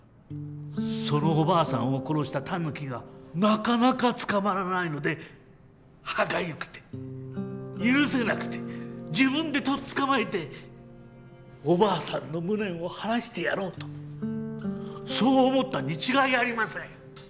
そのおばあさんを殺したタヌキがなかなか捕まらないので歯がゆくて許せなくて自分でとっつかまえておばあさんの無念を晴らしてやろうとそう思ったに違いありません。